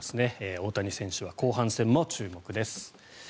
大谷選手は後半戦も注目です。